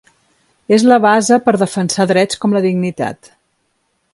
És la base per defensar drets com la dignitat.